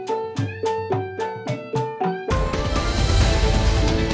terima kasih pak